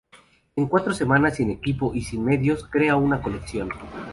En cuatro semanas sin equipo y sin medios, crea una colección.